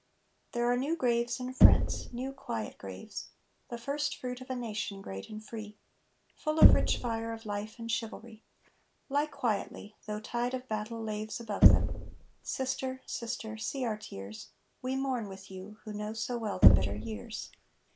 There are new graves in France, new quiet graves; The first fruit of a Nation great and free, Full of rich fire of life and chivalry. Lie quietly, though tide of battle laves Above them; sister, sister, see our tears, We mourn with you, who know so well the bitter years.